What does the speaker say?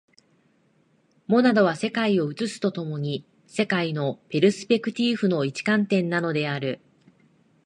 モナドは世界を映すと共に、世界のペルスペクティーフの一観点なのである。